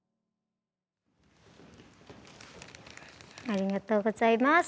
ありがとうございます。